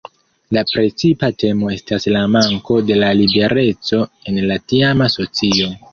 La precipa temo estas la manko de libereco en la tiama socio.